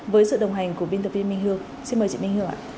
với sự đồng hành của biên tập viên minh hương xin mời chị minh hương ạ